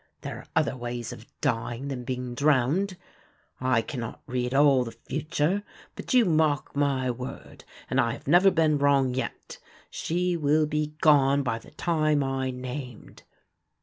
There are other ways of dying than being drowned. I cannot read all the future, but you mark my word, and I have never been wrong yet, she will be gone by the time I named.